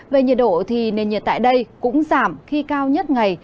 về nhiệt độ thì nền nhiệt tại đây cũng giảm khi cao nhất ngày